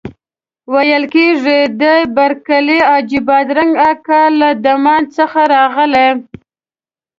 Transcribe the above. ویل کېږي د برکلي حاجي بادرنګ اکا له دمان څخه راغلی.